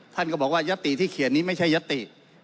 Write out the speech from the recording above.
ท่านก็บอกว่ายัตติที่เขียนนี้ไม่ใช่ยติ